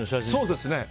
そうですね。